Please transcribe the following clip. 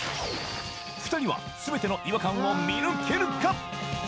２人は全ての違和感を見抜けるか？